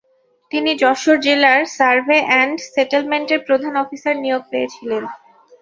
তিনি যশোর জেলার survey and সেটেলমেন্টের প্রধান অফিসার নিয়োগ পেয়েছিলেন।